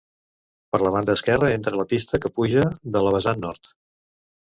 Per la banda esquerra entra la pista que puja de la vessant nord.